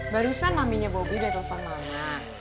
barusan maminya bobi udah telepon mama